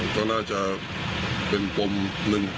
ก็น่าจะเป็นปมหนึ่ง